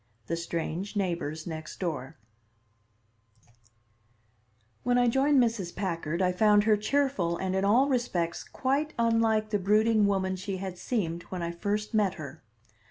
THE STRANGE NEIGHBORS NEXT DOOR When I joined Mrs. Packard I found her cheerful and in all respects quite unlike the brooding woman she had seemed when I first met her.